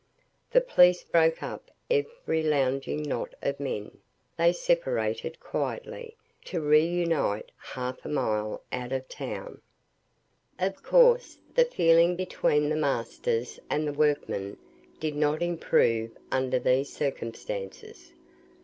The police broke up every lounging knot of men: they separated quietly, to reunite half a mile further out of town. Of course the feeling between the masters and workmen did not improve under these circumstances.